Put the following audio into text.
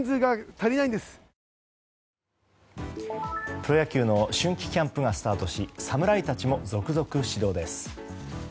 プロ野球の春季キャンプがスタートし侍たちも続々始動です。